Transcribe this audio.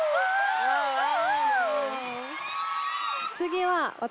次は私。